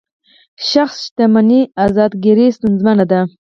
شخص شتمني اندازه ګیري ستونزمنه ده.